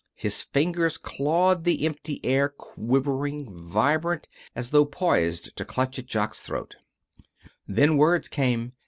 His fingers clawed the empty air, quivering, vibrant, as though poised to clutch at Jock's throat. Then words came.